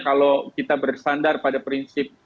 kalau kita bersandar pada prinsip